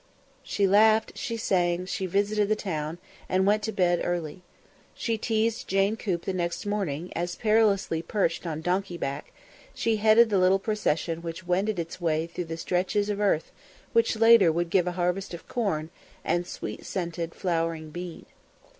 She laughed, she sang, she visited the town, and went to bed early. She teased Jane Coop the next morning as, perilously perched on donkey back, she headed the little procession which wended its way through the stretches of earth which later would give a harvest of corn and sweet scented flowering bean.